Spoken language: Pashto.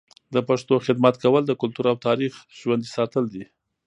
د پښتو خدمت کول د کلتور او تاریخ ژوندي ساتل دي.